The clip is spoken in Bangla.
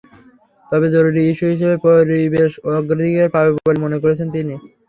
তবে জরুরি ইস্যু হিসেবে পরিবেশ অগ্রাধিকার পাবে বলে মনে করছেন তিনি।